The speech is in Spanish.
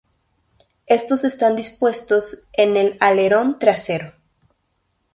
Estos están dispuestos en el alerón trasero.